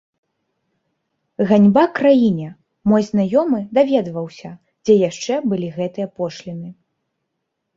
Ганьба краіне, мой знаёмы даведваўся, дзе яшчэ былі гэтыя пошліны.